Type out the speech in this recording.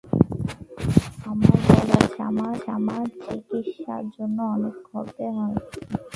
আমার বয়স বেড়ে যাচ্ছে, আমার চিকিৎসার জন্য অনেক খরচ করতে হয়।